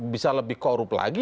bisa lebih korup lagi